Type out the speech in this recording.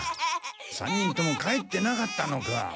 ３人とも帰ってなかったのか？